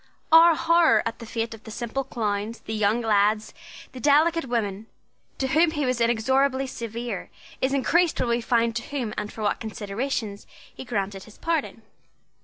Our horror at the fate of the simple clowns, the young lads, the delicate women, to whom he was inexorably severe, is increased when we find to whom and for what considerations he granted his pardon.